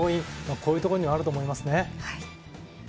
こういうところにあると思いますね。